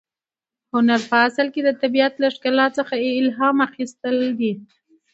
هنر په اصل کې د طبیعت له ښکلا څخه الهام اخیستل دي.